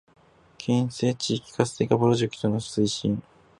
県西地域活性化プロジェクトの推進